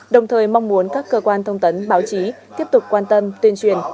đồng thời mong muốn các cơ quan thông tấn báo chí tiếp tục quan tâm tuyên truyền